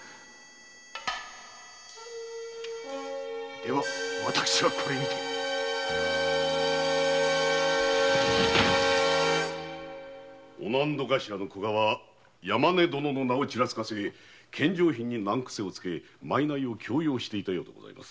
〔では私はこれにて〕御納戸頭・古賀は山根殿の名をちらつかせ献上品に難癖をつけ賂を強要していたようでございます。